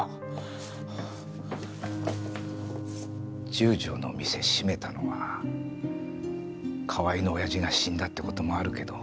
十条の店閉めたのは河合のオヤジが死んだって事もあるけど